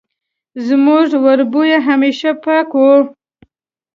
زموږ وربوی همېشه پاک وو